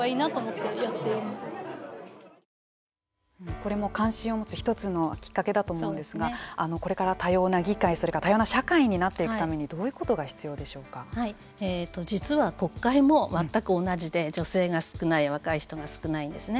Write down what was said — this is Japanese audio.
これも関心を持つ１つのきっかけだと思うんですがこれから多様な議会それから多様な社会になっていくために実は国会も全く同じで、女性が少なく若い人が少ないんですね。